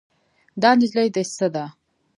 دا نجلۍ دې څه ده؟